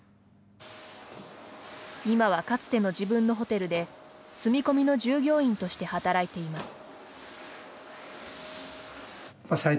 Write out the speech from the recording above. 今は、かつての自分のホテルで住み込みの従業員として働いています。